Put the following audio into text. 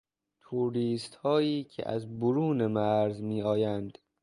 توریستهایی که از برون مرز میآیند